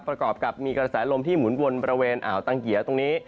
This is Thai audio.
ประกอบกับมีกระแสลมที่หมุนวนบริเวณอ่าวตังเกียร์ตรงนี้